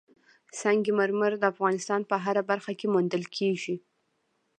سنگ مرمر د افغانستان په هره برخه کې موندل کېږي.